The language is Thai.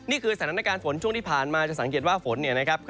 นี่คือสถานการณ์ฝนช่วงที่ผ่านมาจะสังเกตว่าฝนเนี่ยนะครับ